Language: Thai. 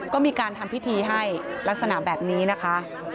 ก็มีการทำพิธีให้ลักษณะแบบนี้นะคะ